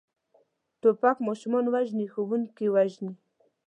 توپک ماشومان وژني، ښوونکي وژني.